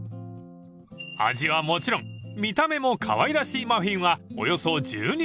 ［味はもちろん見た目もかわいらしいマフィンは］